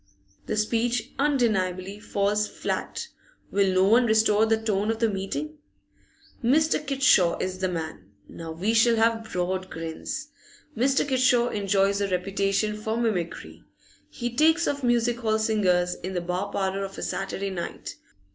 The speech undeniably falls fiat. Will no one restore the tone of the meeting? Mr. Kitshaw is the man! Now we shall have broad grins. Mr. Kitshaw enjoys a reputation for mimicry; he takes off music hall singers in the bar parlour of a Saturday night.